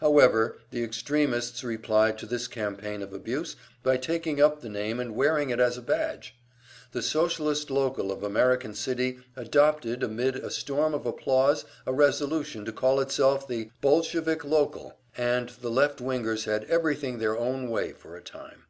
However, the extremists replied to this campaign of abuse by taking up the name and wearing it as a badge. The Socialist local of American City adopted amid a storm of applause a resolution to call itself the "Bolshevik local," and the "left wingers" had everything their own way for a time.